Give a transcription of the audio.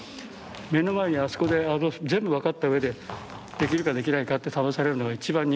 目の前にあそこで全部分かった上でできるかできないかって試されるのが一番苦手で。